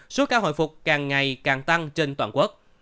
số ca hồi phục càng ngày càng tăng trên toàn quốc